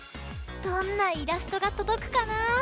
どんなイラストがとどくかな！